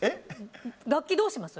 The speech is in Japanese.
楽器どうします？